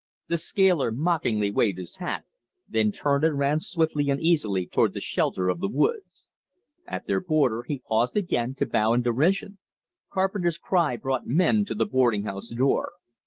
The scaler mockingly waved his hat, then turned and ran swiftly and easily toward the shelter of the woods. At their border he paused again to bow in derision. Carpenter's cry brought men to the boarding house door.